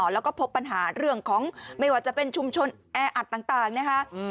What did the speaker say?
แล้วก็พบปัญหาเรื่องของไม่ว่าจะเป็นชุมชนแออัดต่างนะคะ